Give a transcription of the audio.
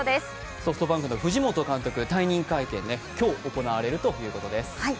ソフトバンクの藤本監督退任会見、今日行われるということです。